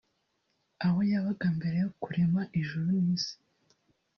aho yabaga mbere yo kurema ijuru n’isi